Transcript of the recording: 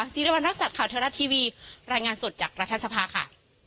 ซีเรียบรรณักศัพท์ข่าวเธอรับทีวีรายงานสดจากราชสภาค่ะ